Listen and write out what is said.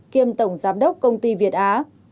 kiêm tổng giám đốc công ty việt á